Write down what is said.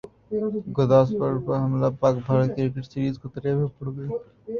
گورداسپور پر حملہ Pak Bharat cricket series خطرے میں پڑگئی